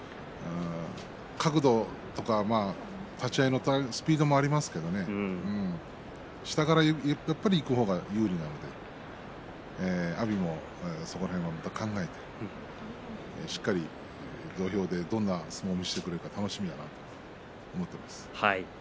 角度とか立ち合いのスピードもありますけれども下からいく方が有利なので阿炎も、そこら辺、考えてしっかり土俵でどんな相撲を見せてくれるのか楽しみです。